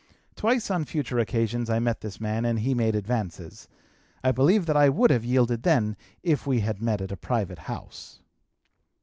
Twice on future occasions I met this man and he made advances. I believe that I would have yielded then if we had met at a private house.